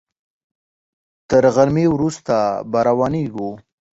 تر غرمې وروسته به روانېږو.